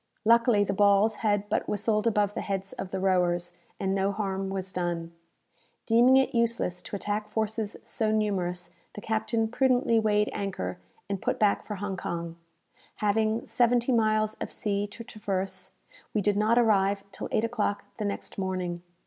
Luckily the balls had but whistled above the heads of the rowers, and no harm was done. Deeming it useless to attack forces so numerous, the captain prudently weighed anchor, and put back for Hong Kong. Having seventy miles of sea to traverse, we did not arrive till eight o'clock the next morning.